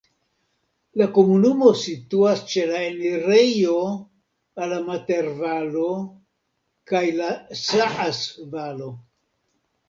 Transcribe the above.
La komunumo situas ĉe la enirejo al la Mater-Valo kaj la Saas-Valo.